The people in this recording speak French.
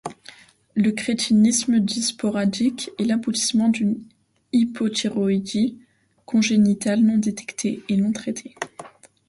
Le crétinisme dit sporadique est l'aboutissement d'une hypothyroïdie congénitale non détectée et non traitée.